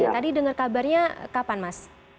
tadi dengar kabarnya kapan mas